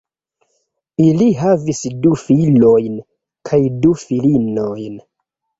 Ili havis du filojn kaj du filinojn.